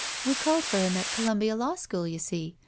We called for him at Columbia Law School, you see.